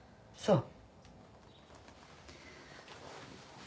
そう。